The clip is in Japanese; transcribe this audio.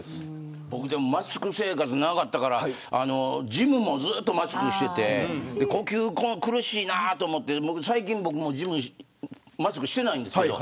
マスク生活長かったからジムもずっとマスクしていて呼吸が苦しいなと思って最近はマスクしてないんですけど